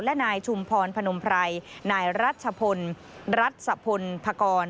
และนายชุมพรพนมไพรนายรัชพลรัชพลพกร